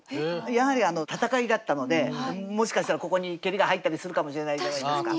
やはり戦いだったのでもしかしたらここに蹴りが入ったりするかもしれないじゃないですか。